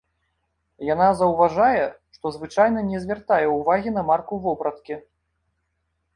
Яна заўважае, што звычайна не звяртае ўвагі на марку вопраткі.